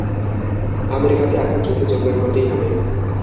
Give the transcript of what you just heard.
আমেরিকাকে এখন যুদ্ধে যোগদান করতেই হবে।